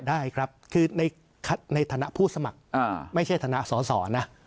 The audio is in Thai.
ได้ครับคือในฐานะผู้สมัครไม่ใช่ฐานะสอสอนะ